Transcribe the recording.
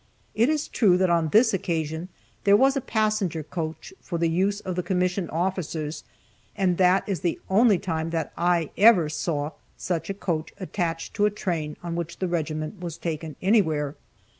It is true that on this occasion there was a passenger coach for the use of the commissioned officers, and that is the only time that I ever saw such a coach attached to a train on which the regiment was taken anywhere.